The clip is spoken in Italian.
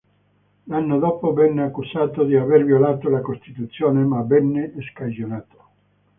L'anno dopo venne accusato di aver violato la costituzione ma venne scagionato.